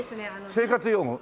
生活用具？